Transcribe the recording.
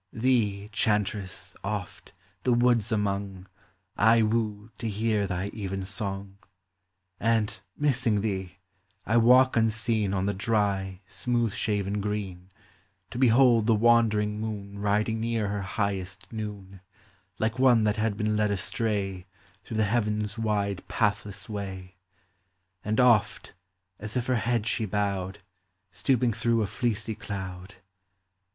Thee, chantress, oft, the woods among, I woo, to hear thy even song. And, missing thee, I walk unseen On the dry, smooth shaven green, To behold the wandering moon Riding near her highest noon, Like one that had been led astray Through the heaven's wide pathless way ; And oft, as if her head six; bowed, Stooping through a fleecy clond.